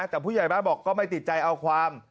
แต่ผู้ใหญ่บ้านบอกก็ไม่ติดใจเอาความ